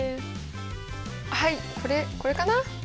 はいこれこれかな？